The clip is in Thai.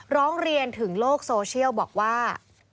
ร้องเรียนถึงโลกโซเชียลบอกว่า